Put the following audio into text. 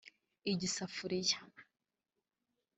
igisafuliya